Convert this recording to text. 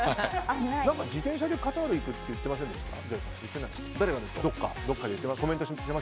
自転車でカタール行くってＪＯＹさん言ってませんでした？